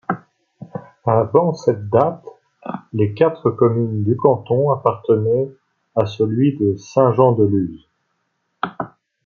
Avant cette date, les quatre communes du canton appartenaient à celui de Saint-Jean-de-Luz.